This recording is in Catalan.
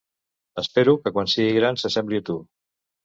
Espero que quan sigui gran s'assembli a tu.